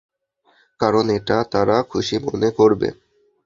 কারণ এটা তারা খুশিমনে করবে।